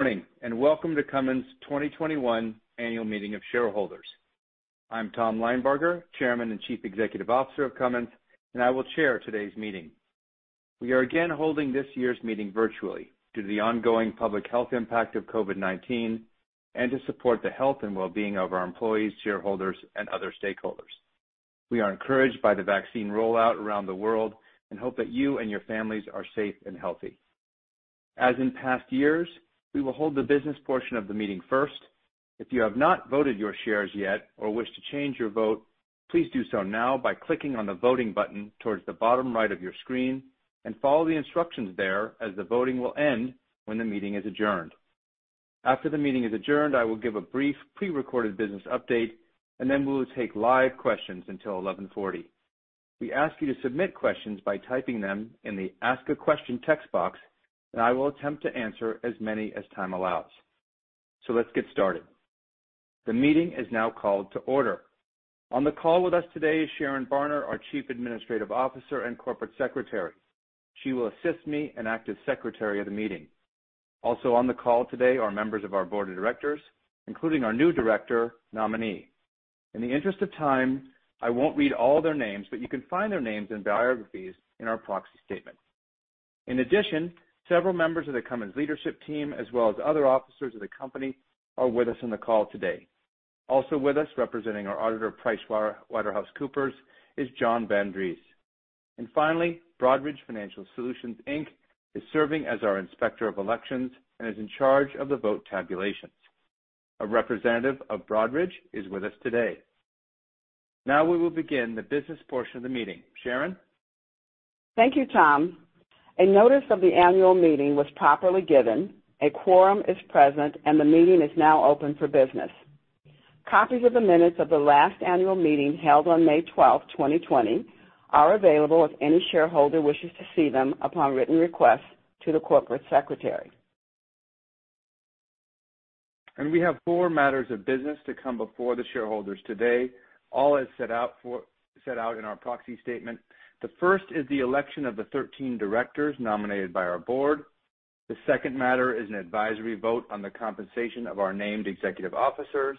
Morning, and welcome to Cummins 2021 Annual Meeting of Shareholders. I'm Tom Linebarger, Chairman and Chief Executive Officer of Cummins, and I will chair today's meeting. We are again holding this year's meeting virtually due to the ongoing public health impact of COVID-19 and to support the health and wellbeing of our employees, shareholders, and other stakeholders. We are encouraged by the vaccine rollout around the world and hope that you and your families are safe and healthy. As in past years, we will hold the business portion of the meeting first. If you have not voted your shares yet or wish to change your vote, please do so now by clicking on the voting button towards the bottom right of your screen and follow the instructions there, as the voting will end when the meeting is adjourned. After the meeting is adjourned, I will give a brief pre-recorded business update, and then we will take live questions until 11:40. We ask you to submit questions by typing them in the Ask a Question text box, and I will attempt to answer as many as time allows. Let's get started. The meeting is now called to order. On the call with us today is Sharon Barner, our Chief Administrative Officer and Corporate Secretary. She will assist me and act as secretary of the meeting. Also on the call today are members of our board of directors, including our new director nominee. In the interest of time, I won't read all their names, but you can find their names and biographies in our proxy statement. In addition, several members of the Cummins leadership team, as well as other officers of the company, are with us on the call today. Also with us, representing our auditor, PricewaterhouseCoopers, is John Vandre. Finally, Broadridge Financial Solutions Inc. is serving as our Inspector of Elections and is in charge of the vote tabulations. A representative of Broadridge is with us today. Now we will begin the business portion of the meeting. Sharon? Thank you, Tom. A notice of the annual meeting was properly given, a quorum is present, and the meeting is now open for business. Copies of the minutes of the last annual meeting, held on May 12, 2020, are available if any shareholder wishes to see them upon written request to the corporate secretary. We have four matters of business to come before the shareholders today. All as set out in our proxy statement. The first is the election of the 13 directors nominated by our board, the second matter is an advisory vote on the compensation of our Named Executive Officers,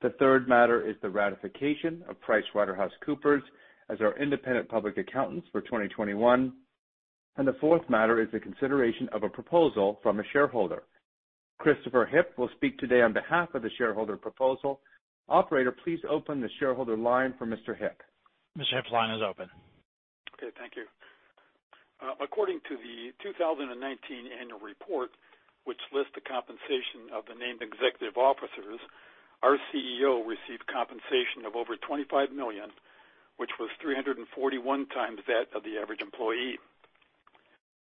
the third matter is the ratification of PricewaterhouseCoopers as our independent public accountants for 2021, and the fourth matter is the consideration of a proposal from a shareholder. Christopher Heep will speak today on behalf of the shareholder proposal. Operator, please open the shareholder line for Mr. Heep. Mr. Heep's line is open. Okay, thank you. According to the 2019 annual report, which lists the compensation of the Named Executive Officers, our CEO received compensation of over $25 million, which was 341 times that of the average employee.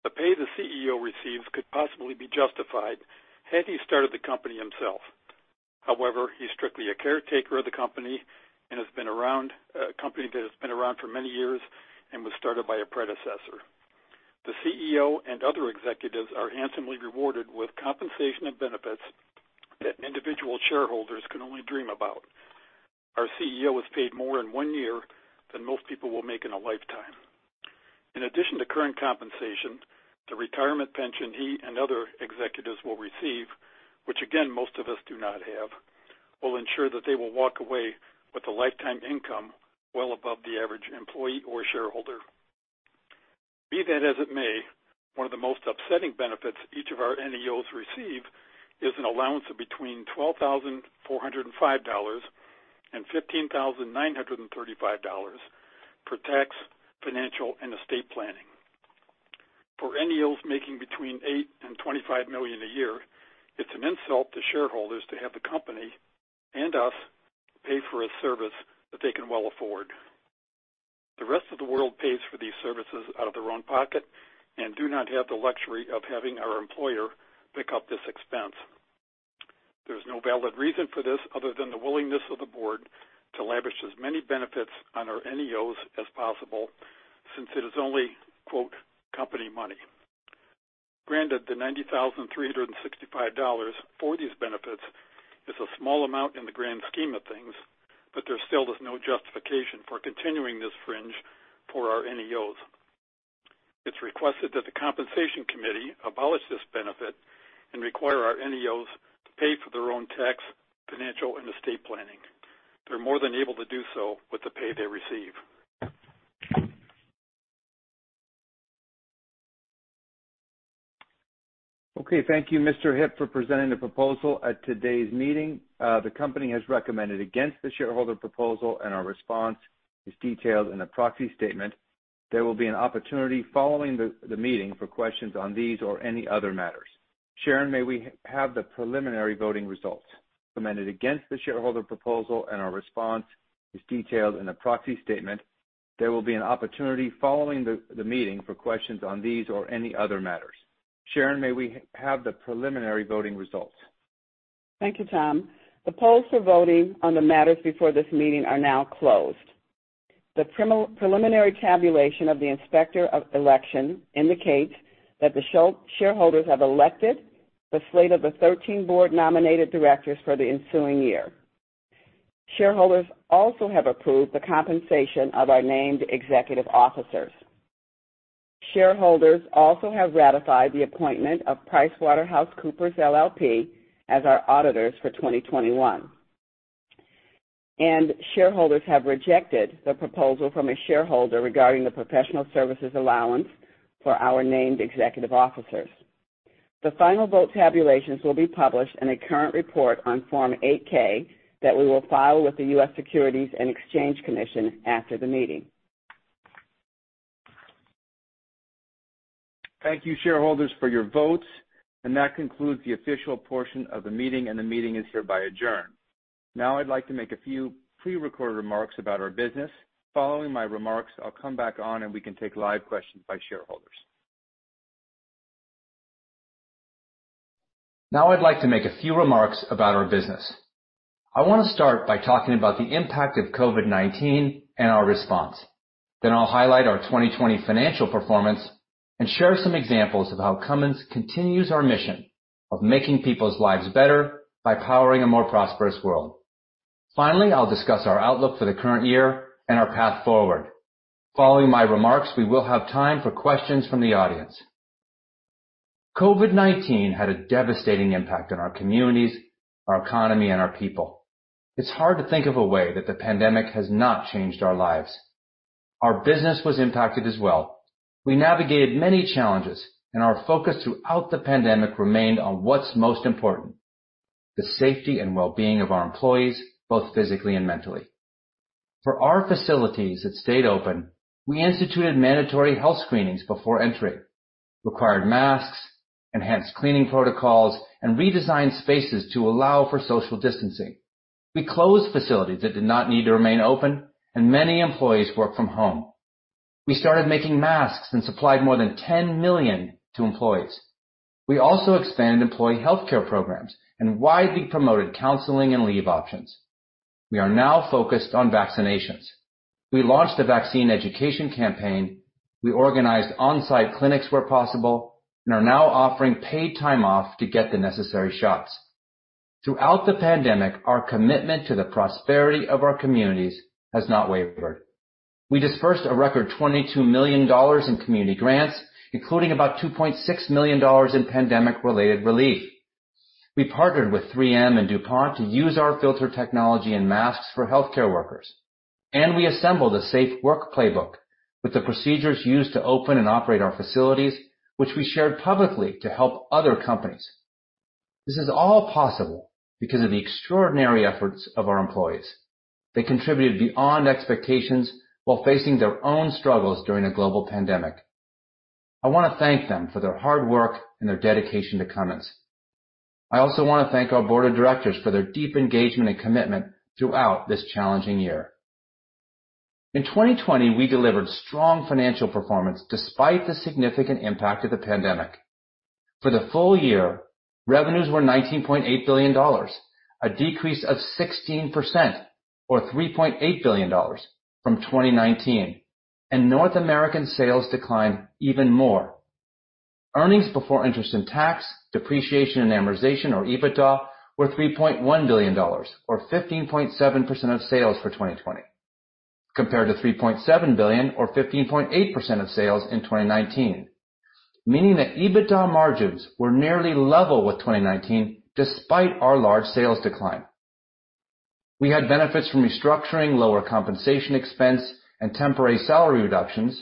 The pay the CEO receives could possibly be justified had he started the company himself. However, he's strictly a caretaker of the company that has been around for many years and was started by a predecessor. The CEO and other executives are handsomely rewarded with compensation and benefits that individual shareholders can only dream about. Our CEO is paid more in one year than most people will make in a lifetime. In addition to current compensation, the retirement pension he and other executives will receive, which again, most of us do not have, will ensure that they will walk away with a lifetime income well above the average employee or shareholder. Be that as it may, one of the most upsetting benefits each of our NEOs receive is an allowance of between $12,405 and $15,935 for tax, financial, and estate planning. For NEOs making between $8 million and $25 million a year, it's an insult to shareholders to have the company and us pay for a service that they can well afford. The rest of the world pays for these services out of their own pocket and do not have the luxury of having our employer pick up this expense. There's no valid reason for this other than the willingness of the board to lavish as many benefits on our NEOs as possible, since it is only, quote, "company money." Granted, the $90,365 for these benefits is a small amount in the grand scheme of things, but there still is no justification for continuing this fringe for our NEOs. It's requested that the Compensation Committee abolish this benefit and require our NEOs to pay for their own tax, financial, and estate planning. They're more than able to do so with the pay they receive. Okay, thank you, Mr. Heep, for presenting the proposal at today's meeting. The company has recommended against the shareholder proposal, and our response is detailed in the proxy statement. There will be an opportunity following the meeting for questions on these or any other matters. Sharon, may we have the preliminary voting results? Command in again, the shareholder proposal and a response was detailed in a proxy statement there will be an opportunity following the meeting for questions on these or any other matters. Sharon, may we have the preliminary voting results? Thank you, Tom. The polls for voting on the matters before this meeting are now closed. The preliminary tabulation of the Inspector of Election indicates that the shareholders have elected the slate of the 13 board-nominated directors for the ensuing year. Shareholders also have approved the compensation of our Named Executive Officers. Shareholders also have ratified the appointment of PricewaterhouseCoopers LLP as our auditors for 2021. Shareholders have rejected the proposal from a shareholder regarding the professional services allowance for our Named Executive Officers. The final vote tabulations will be published in a current report on Form 8-K that we will file with the U.S. Securities and Exchange Commission after the meeting. Thank you, shareholders, for your votes. That concludes the official portion of the meeting, and the meeting is hereby adjourned. I'd like to make a few prerecorded remarks about our business. Following my remarks, I'll come back on and we can take live questions by shareholders. I'd like to make a few remarks about our business. I want to start by talking about the impact of COVID-19 and our response. I'll highlight our 2020 financial performance and share some examples of how Cummins continues our mission of making people's lives better by powering a more prosperous world. Finally, I'll discuss our outlook for the current year and our path forward. Following my remarks, we will have time for questions from the audience. COVID-19 had a devastating impact on our communities, our economy, and our people. It's hard to think of a way that the pandemic has not changed our lives. Our business was impacted as well. We navigated many challenges, and our focus throughout the pandemic remained on what's most important, the safety and wellbeing of our employees, both physically and mentally. For our facilities that stayed open, we instituted mandatory health screenings before entry, required masks, enhanced cleaning protocols, and redesigned spaces to allow for social distancing. We closed facilities that did not need to remain open, and many employees worked from home. We started making masks and supplied more than 10 million to employees. We also expanded employee healthcare programs and widely promoted counseling and leave options. We are now focused on vaccinations. We launched a vaccine education campaign. We organized on-site clinics where possible and are now offering paid time off to get the necessary shots. Throughout the pandemic, our commitment to the prosperity of our communities has not wavered. We dispersed a record $22 million in community grants, including about $2.6 million in pandemic-related relief. We partnered with 3M and DuPont to use our filter technology and masks for healthcare workers. We assembled a safe work playbook with the procedures used to open and operate our facilities, which we shared publicly to help other companies. This is all possible because of the extraordinary efforts of our employees. They contributed beyond expectations while facing their own struggles during a global pandemic. I want to thank them for their hard work and their dedication to Cummins. I also want to thank our board of directors for their deep engagement and commitment throughout this challenging year. In 2020, we delivered strong financial performance despite the significant impact of the pandemic. For the full year, revenues were $19.8 billion, a decrease of 16%, or $3.8 billion from 2019. North American sales declined even more. Earnings before interest and tax, depreciation, and amortization, or EBITDA, were $3.1 billion, or 15.7% of sales for 2020, compared to $3.7 billion or 15.8% of sales in 2019, meaning that EBITDA margins were nearly level with 2019 despite our large sales decline. We had benefits from restructuring lower compensation expense and temporary salary reductions,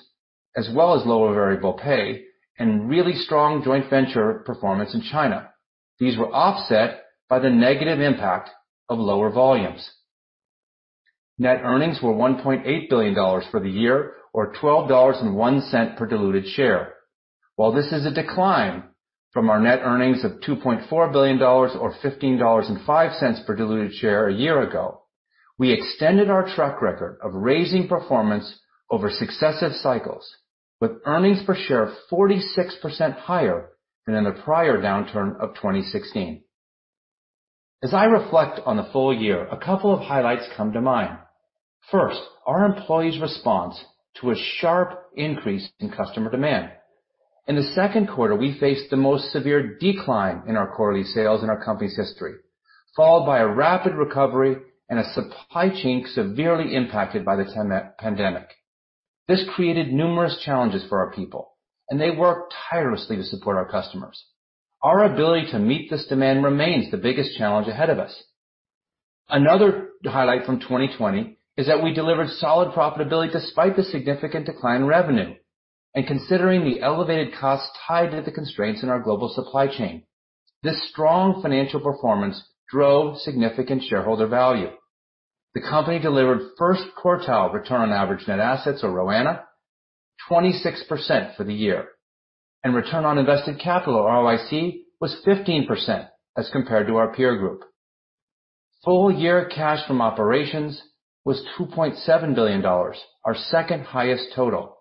as well as lower variable pay and really strong joint venture performance in China. These were offset by the negative impact of lower volumes. Net earnings were $1.8 billion for the year, or $12.01 per diluted share. While this is a decline from our net earnings of $2.4 billion or $15.05 per diluted share a year ago, we extended our track record of raising performance over successive cycles, with earnings per share 46% higher than in the prior downturn of 2016. As I reflect on the full year, a couple of highlights come to mind. First, our employees' response to a sharp increase in customer demand. In the second quarter, we faced the most severe decline in our quarterly sales in our company's history, followed by a rapid recovery and a supply chain severely impacted by the pandemic. This created numerous challenges for our people, and they worked tirelessly to support our customers. Our ability to meet this demand remains the biggest challenge ahead of us. Another highlight from 2020 is that we delivered solid profitability despite the significant decline in revenue. Considering the elevated costs tied to the constraints in our global supply chain, this strong financial performance drove significant shareholder value. The company delivered first quartile return on average net assets, or ROANA, 26% for the year. Return on invested capital, or ROIC, was 15% as compared to our peer group. Full-year cash from operations was $2.7 billion, our second highest total.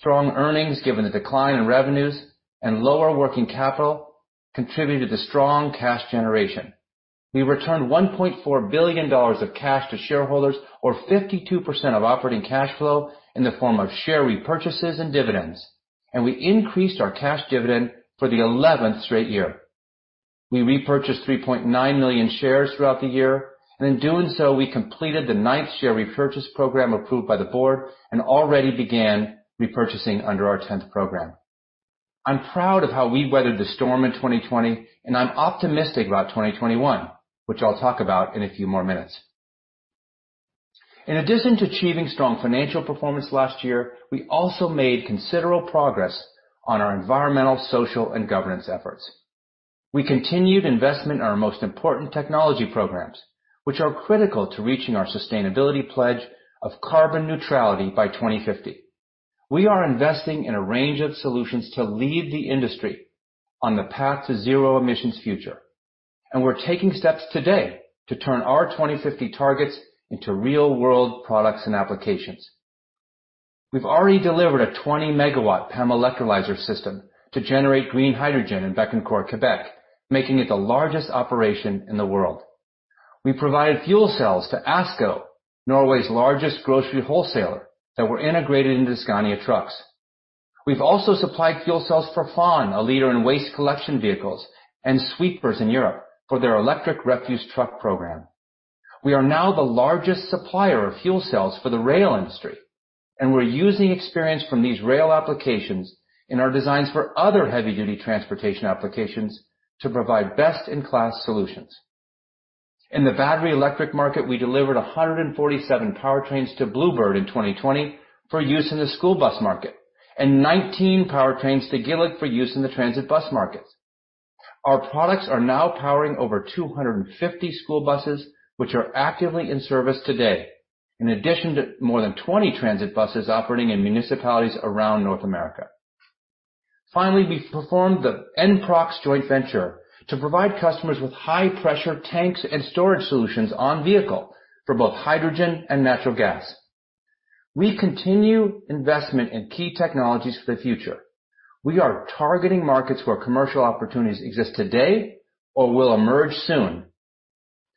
Strong earnings, given the decline in revenues and lower working capital contributed to strong cash generation. We returned $1.4 billion of cash to shareholders, or 52% of operating cash flow in the form of share repurchases and dividends. We increased our cash dividend for the 11th straight year. We repurchased 3.9 million shares throughout the year, and in doing so, we completed the ninth share repurchase program approved by the board and already began repurchasing under our 10th program. I'm proud of how we weathered the storm in 2020, and I'm optimistic about 2021, which I'll talk about in a few more minutes. In addition to achieving strong financial performance last year, we also made considerable progress on our environmental, social, and governance efforts. We continued investment in our most important technology programs, which are critical to reaching our sustainability pledge of carbon neutrality by 2050. We are investing in a range of solutions to lead the industry on the path to zero emissions future. We're taking steps today to turn our 2050 targets into real-world products and applications. We've already delivered a 20 MW PEM Electrolyzer System to generate green hydrogen in Bécancour, Quebec, making it the largest operation in the world. We provided fuel cells to ASKO, Norway's largest grocery wholesaler, that were integrated into Scania trucks. We've also supplied fuel cells for FAUN, a leader in waste collection vehicles and sweepers in Europe for their electric refuse truck program. We are now the largest supplier of fuel cells for the rail industry, and we're using experience from these rail applications in our designs for other heavy-duty transportation applications to provide best-in-class solutions. In the battery electric market, we delivered 147 powertrains to Blue Bird in 2020 for use in the school bus market and 19 powertrains to Gillig for use in the transit bus markets. Our products are now powering over 250 school buses, which are actively in service today, in addition to more than 20 transit buses operating in municipalities around North America. Finally, we've performed the NPROXX joint venture to provide customers with high-pressure tanks and storage solutions on vehicle for both hydrogen and natural gas. We continue investment in key technologies for the future. We are targeting markets where commercial opportunities exist today or will emerge soon.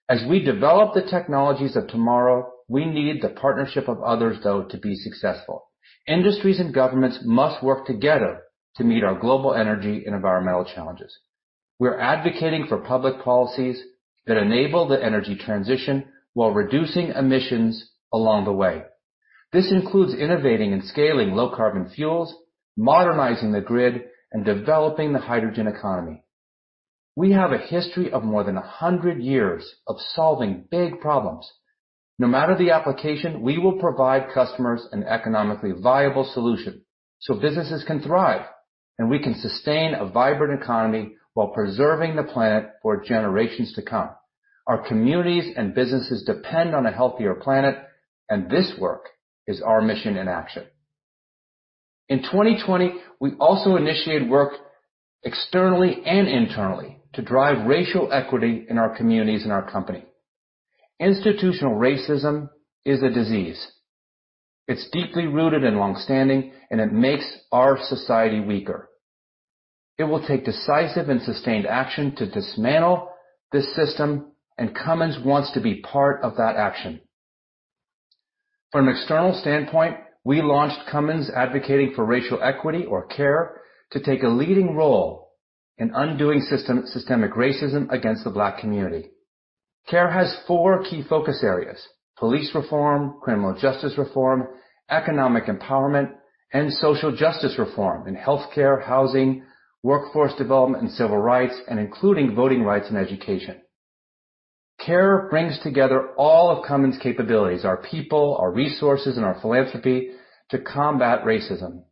As we develop the technologies of tomorrow, we need the partnership of others, though, to be successful. Industries and governments must work together to meet our global energy and environmental challenges. We're advocating for public policies that enable the energy transition while reducing emissions along the way. This includes innovating and scaling low carbon fuels, modernizing the grid, and developing the hydrogen economy. We have a history of more than 100 years of solving big problems. No matter the application, we will provide customers an economically viable solution so businesses can thrive, and we can sustain a vibrant economy while preserving the planet for generations to come. Our communities and businesses depend on a healthier planet, and this work is our mission in action. In 2020, we also initiated work externally and internally to drive racial equity in our communities and our company. Institutional racism is a disease. It's deeply rooted and longstanding, and it makes our society weaker. It will take decisive and sustained action to dismantle this system, and Cummins wants to be part of that action. From an external standpoint, we launched Cummins Advocating for Racial Equity or CARE to take a leading role in undoing systemic racism against the Black community. CARE has four key focus areas, police reform, criminal justice reform, economic empowerment, and social justice reform in healthcare, housing, workforce development, and civil rights, and including voting rights and education. CARE brings together all of Cummins' capabilities, our people, our resources, and our philanthropy to combat racism.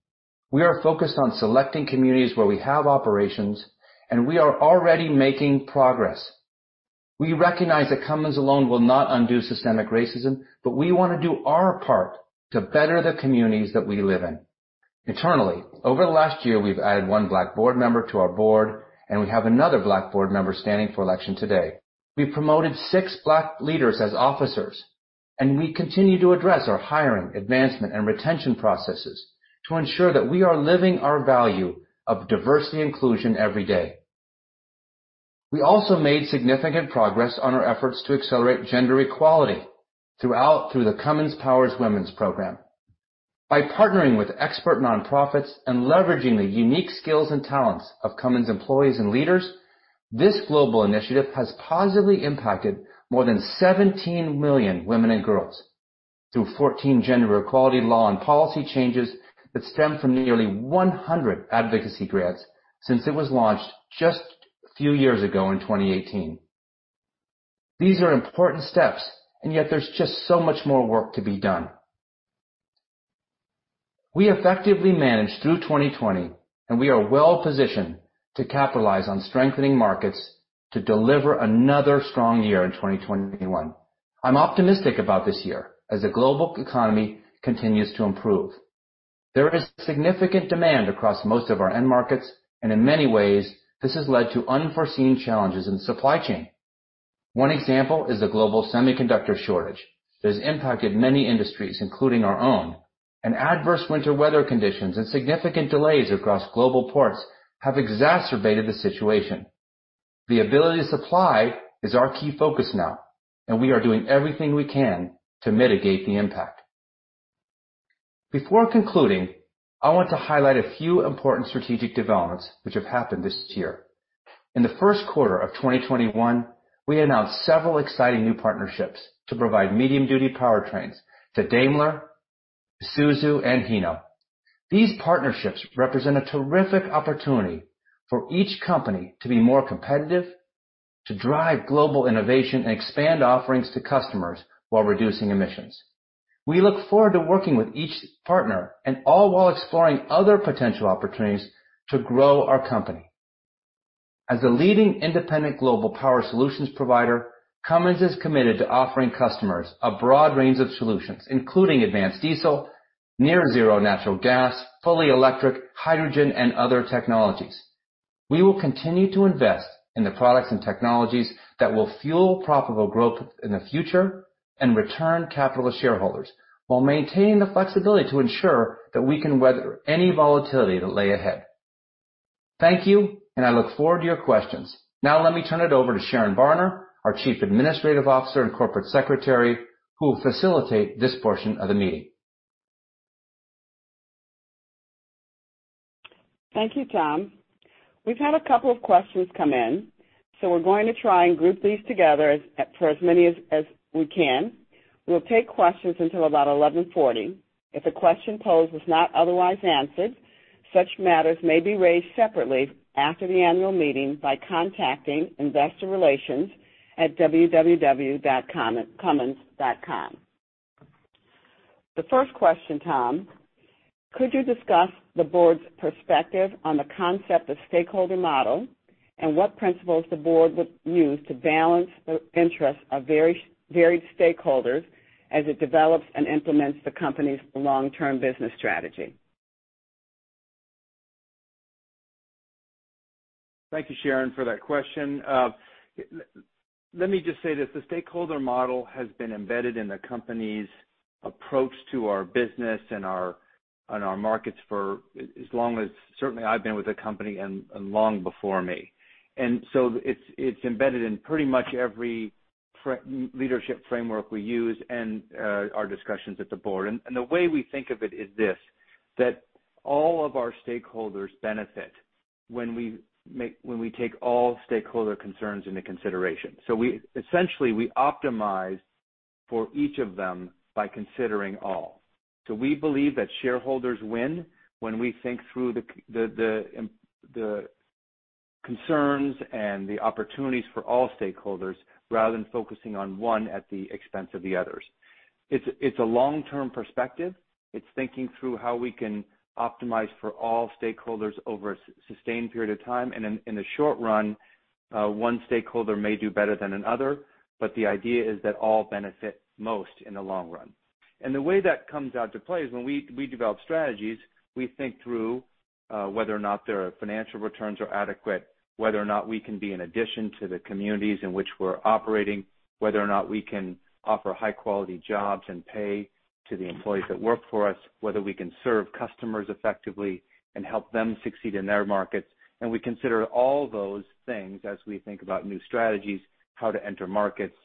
We are focused on selecting communities where we have operations, and we are already making progress. We recognize that Cummins alone will not undo systemic racism, but we want to do our part to better the communities that we live in. Internally, over the last year, we've added one Black board member to our board, and we have another Black board member standing for election today. We've promoted six Black leaders as officers, and we continue to address our hiring, advancement, and retention processes to ensure that we are living our value of diversity inclusion every day. We also made significant progress on our efforts to accelerate gender equality throughout through the Cummins Powers Women program. By partnering with expert nonprofits and leveraging the unique skills and talents of Cummins employees and leaders, this global initiative has positively impacted more than 17 million women and girls through 14 gender equality law and policy changes that stem from nearly 100 advocacy grants since it was launched just a few years ago in 2018, yet there's just so much more work to be done. We effectively managed through 2020, and we are well-positioned to capitalize on strengthening markets to deliver another strong year in 2021. I'm optimistic about this year as the global economy continues to improve. There is significant demand across most of our end markets, and in many ways, this has led to unforeseen challenges in supply chain. One example is the global semiconductor shortage that has impacted many industries, including our own, and adverse winter weather conditions and significant delays across global ports have exacerbated the situation. The ability to supply is our key focus now, and we are doing everything we can to mitigate the impact. Before concluding, I want to highlight a few important strategic developments which have happened this year. In the first quarter of 2021, we announced several exciting new partnerships to provide medium-duty powertrains to Daimler, Isuzu, and Hino. These partnerships represent a terrific opportunity for each company to be more competitive, to drive global innovation, and expand offerings to customers while reducing emissions. We look forward to working with each partner and all while exploring other potential opportunities to grow our company. As a leading independent global power solutions provider, Cummins is committed to offering customers a broad range of solutions, including advanced diesel, near zero natural gas, fully electric, hydrogen, and other technologies. We will continue to invest in the products and technologies that will fuel profitable growth in the future and return capital to shareholders while maintaining the flexibility to ensure that we can weather any volatility that lay ahead. Thank you, and I look forward to your questions. Now let me turn it over to Sharon Barner, our Chief Administrative Officer and Corporate Secretary, who will facilitate this portion of the meeting. Thank you, Tom. We've had a couple of questions come in, so we're going to try and group these together for as many as we can. We'll take questions until about 11:40 A.M. If a question posed is not otherwise answered, such matters may be raised separately after the annual meeting by contacting investor relations at www.cummins.com. The first question, Tom. Could you discuss the board's perspective on the concept of stakeholder model and what principles the board would use to balance the interests of varied stakeholders as it develops and implements the company's long-term business strategy? Thank you, Sharon, for that question. Let me just say this. The stakeholder model has been embedded in the company's approach to our business and our markets for as long as certainly I've been with the company and long before me. It's embedded in pretty much every leadership framework we use and our discussions at the board. The way we think of it is this, that all of our stakeholders benefit when we take all stakeholder concerns into consideration. Essentially, we optimize for each of them by considering all. We believe that shareholders win when we think through the concerns and the opportunities for all stakeholders rather than focusing on one at the expense of the others. It's a long-term perspective. It's thinking through how we can optimize for all stakeholders over a sustained period of time. In the short run, one stakeholder may do better than another, but the idea is that all benefit most in the long run. The way that comes out to play is when we develop strategies, we think through whether or not their financial returns are adequate, whether or not we can be an addition to the communities in which we're operating, whether or not we can offer high-quality jobs and pay to the employees that work for us, whether we can serve customers effectively and help them succeed in their markets. We consider all those things as we think about new strategies, how to enter markets,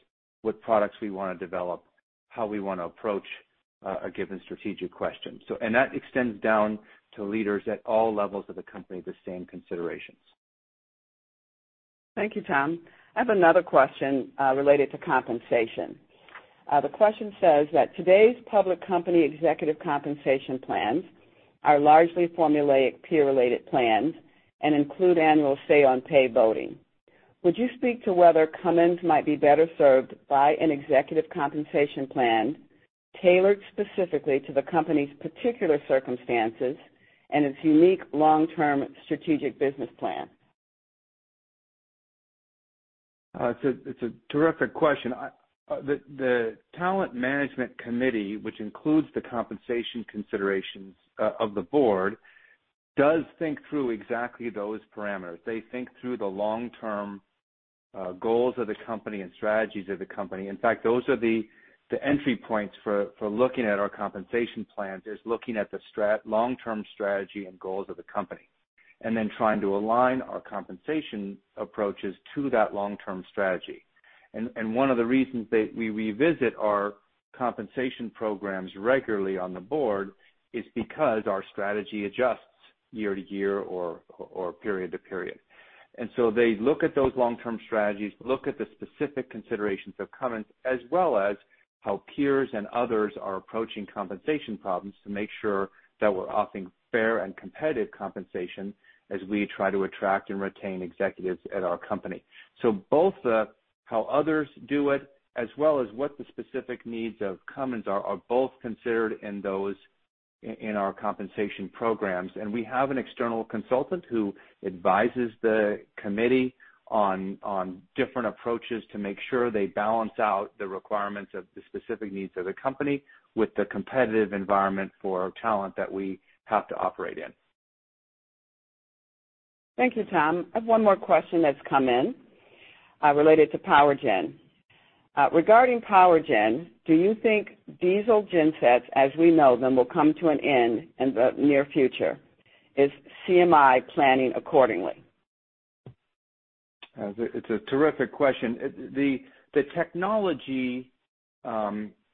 what products we want to develop, how we want to approach a given strategic question. That extends down to leaders at all levels of the company, the same considerations. Thank you, Tom. I have another question related to compensation. The question says that today's public company executive compensation plans are largely formulaic peer-related plans and include annual say on pay voting. Would you speak to whether Cummins might be better served by an executive compensation plan tailored specifically to the company's particular circumstances and its unique long-term strategic business plan? It's a terrific question. The Talent Management Committee, which includes the compensation considerations of the board, does think through exactly those parameters. They think through the long-term goals of the company and strategies of the company. In fact, those are the entry points for looking at our compensation plan, is looking at the long-term strategy and goals of the company, and then trying to align our compensation approaches to that long-term strategy. One of the reasons that we revisit our compensation programs regularly on the board is because our strategy adjusts year to year or period to period. They look at those long-term strategies, look at the specific considerations of Cummins, as well as how peers and others are approaching compensation problems to make sure that we're offering fair and competitive compensation as we try to attract and retain executives at our company. Both how others do it as well as what the specific needs of Cummins are both considered in our compensation programs. We have an external consultant who advises the Committee on different approaches to make sure they balance out the requirements of the specific needs of the company with the competitive environment for talent that we have to operate in. Thank you, Tom. I have one more question that's come in related to power gen. Regarding power gen, do you think diesel gen sets as we know them will come to an end in the near future? Is CMI planning accordingly? It's a terrific question. The technology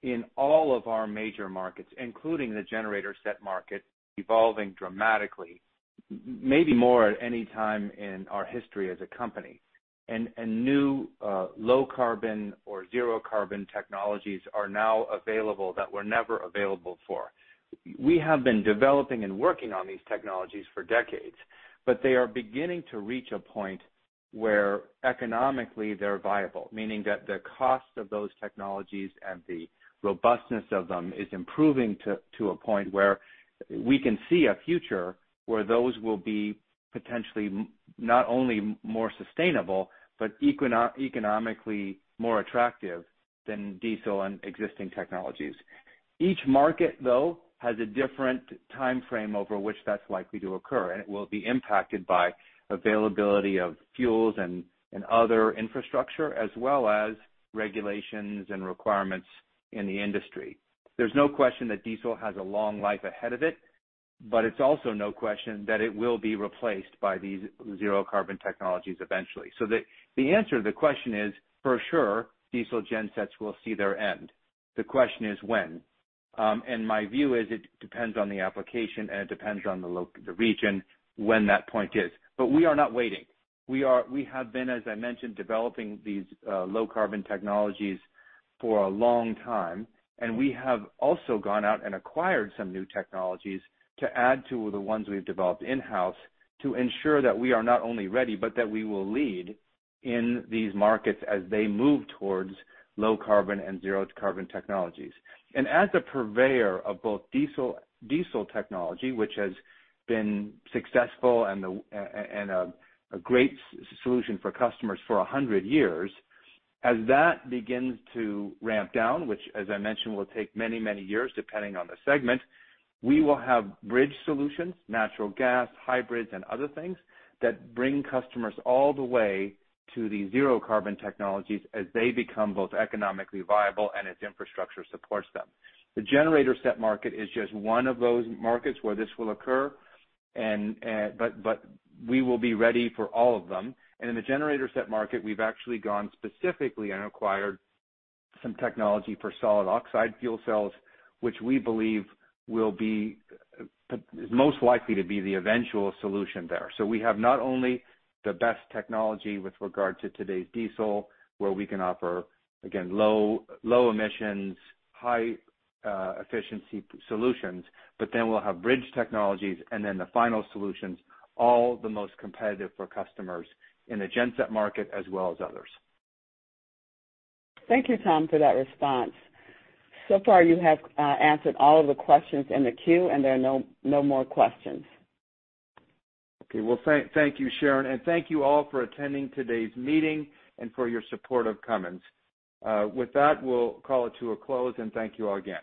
in all of our major markets, including the generator set market, evolving dramatically, maybe more at any time in our history as a company. New low carbon or zero carbon technologies are now available that were never available before. We have been developing and working on these technologies for decades, but they are beginning to reach a point where economically they're viable. Meaning that the cost of those technologies and the robustness of them is improving to a point where we can see a future where those will be potentially not only more sustainable, but economically more attractive than diesel and existing technologies. Each market, though, has a different time frame over which that's likely to occur, and it will be impacted by availability of fuels and other infrastructure, as well as regulations and requirements in the industry. There's no question that diesel has a long life ahead of it, but it's also no question that it will be replaced by these zero carbon technologies eventually. The answer to the question is, for sure, diesel gen sets will see their end. The question is when. My view is it depends on the application and it depends on the region when that point is. We are not waiting. We have been, as I mentioned, developing these low carbon technologies for a long time, and we have also gone out and acquired some new technologies to add to the ones we've developed in-house to ensure that we are not only ready, but that we will lead in these markets as they move towards low carbon and zero carbon technologies. As a purveyor of both diesel technology, which has been successful and a great solution for customers for 100 years, as that begins to ramp down, which as I mentioned, will take many, many years depending on the segment, we will have bridge solutions, natural gas, hybrids, and other things that bring customers all the way to the zero carbon technologies as they become both economically viable and its infrastructure supports them. The generator set market is just one of those markets where this will occur, but we will be ready for all of them. In the generator set market, we've actually gone specifically and acquired some technology for solid oxide fuel cells, which we believe is most likely to be the eventual solution there. We have not only the best technology with regard to today's diesel, where we can offer, again, low emissions, high efficiency solutions, but then we'll have bridge technologies and then the final solutions, all the most competitive for customers in the gen set market as well as others. Thank you, Tom, for that response. So far, you have answered all of the questions in the queue, and there are no more questions. Okay. Well, thank you, Sharon. Thank you all for attending today's meeting and for your support of Cummins. With that, we'll call it to a close, and thank you all again.